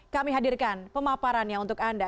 kami hadirkan pemaparannya untuk anda